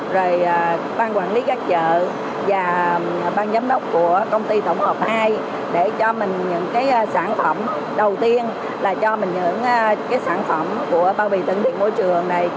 rồi ban quản lý các chợ và ban giám đốc của công ty tổng hợp hai để cho mình những cái sản phẩm đầu tiên là cho mình những cái sản phẩm của bao bì thân thiện môi trường này